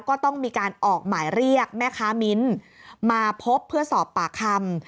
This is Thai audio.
ก็ต้องมีการออกหมายเรียกแม่ค้ามิ้นมาพบเพื่อสอบปากคำ